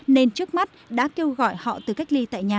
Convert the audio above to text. nên trước mắt đã kêu gọi họ từ cách ly tại nhà